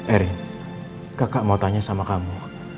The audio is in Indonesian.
erin kakak mau tanya sama kamu